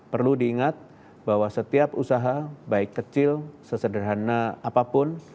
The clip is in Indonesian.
perlu diingat bahwa setiap usaha baik kecil sesederhana apapun